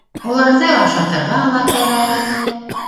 Уларҙы ашатырға ла кәрәк